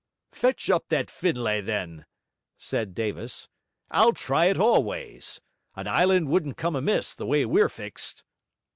'Fetch up that Findlay, then!' said Davis. 'I'll try it all ways. An island wouldn't come amiss, the way we're fixed.'